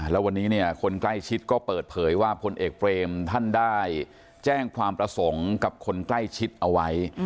แล้ววันนี้เนี่ยคนใกล้ชิดก็เปิดเผยว่าพลเอกเบรมท่านได้แจ้งความประสงค์กับคนใกล้ชิดเอาไว้